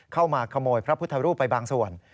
เข้ามาขโมยพระพุทธรูปไปบางส่วน